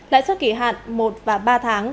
lãi suất kỳ hạn một và ba tháng